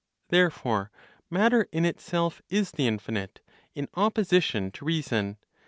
Therefore matter in itself is the infinite, in opposition to reason.